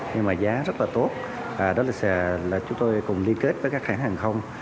nhưng mà giá rất là tốt đó là chúng tôi cùng liên kết với các hãng hàng không